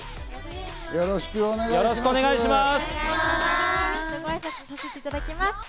よろしくお願いします。